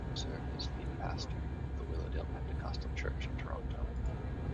He later served as lead pastor of the Willowdale Pentecostal Church in Toronto.